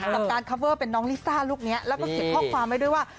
กับการคัปเวอร์เป็นน้องลิซ่าลูกนี้แล้วก็เขียนข้อความไว้ด้วยว่า